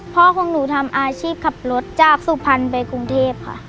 ของหนูทำอาชีพขับรถจากสุพรรณไปกรุงเทพค่ะ